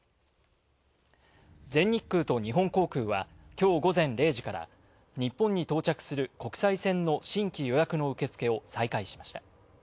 全日空と日本航空は、今日午前０時から日本に到着する国際線の新規契約の受け付けを再開しました。